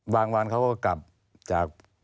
วันเขาก็กลับจาก